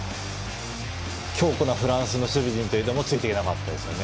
強固なフランスの守備陣でもついていけなかったですね。